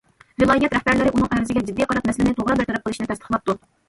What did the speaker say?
ۋىلايەت رەھبەرلىرى ئۇنىڭ ئەرزىگە جىددىي قاراپ، مەسىلىنى توغرا بىر تەرەپ قىلىشنى تەستىقلاپتۇ.